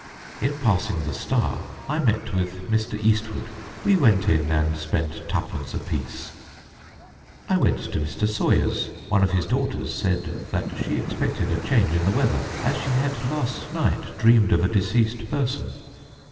In passing the Star I met with Mr. Eastwood; we went in and spent 2_d._ apiece. [Sidenote: PRESAGES OF DEATH] "I went to Mr. Sawyer's.... One of his daughters said that she expected a change in the weather as she had last night dreamt of a deceased person."